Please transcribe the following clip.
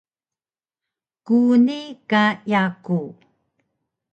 Kuni ka yaku